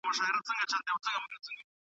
ایا د تلویزیون غږ دې بند کړی دی؟